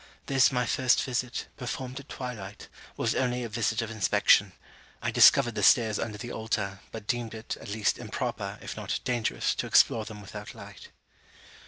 This my first visit, performed at twilight, was only a visit of inspection. I discovered the stairs under the altar; but deemed it, at least improper, if not dangerous, to explore them without light.